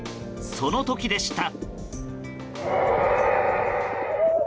その時でした。